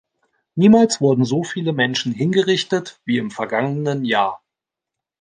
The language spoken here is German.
Niemals wurden so viele Menschen hingerichtet wie im vergangenen Jahr.